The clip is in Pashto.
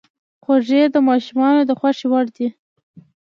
خوږې د ماشومانو د خوښې وړ دي.